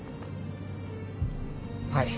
はい。